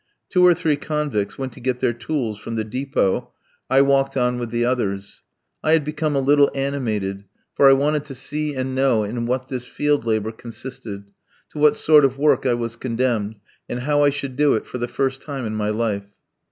Two or three convicts went to get their tools from the dépôt. I walked on with the others. I had become a little animated, for I wanted to see and know in what this field labour consisted, to what sort of work I was condemned, and how I should do it for the first time in my life.